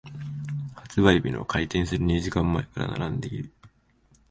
発売日の開店する二時間前から並んでいる。